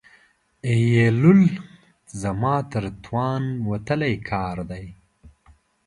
ایېلول زما تر توان وتلی کار دی.